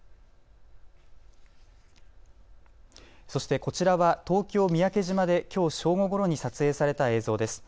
そしてこちらは東京三宅島できょう正午ごろに撮影された映像です。